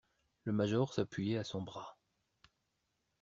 Le major s'appuyait à son bras.